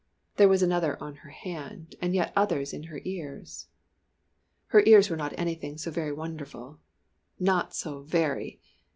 There was another on her hand, and yet others in her ears. Her ears were not anything so very wonderful! Not so _very!